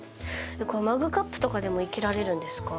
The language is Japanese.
マグカップとかでも生けられるんですか？